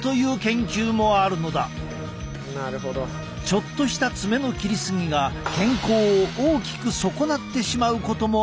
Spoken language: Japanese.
ちょっとした爪の切り過ぎが健康を大きく損なってしまうこともあるのだ。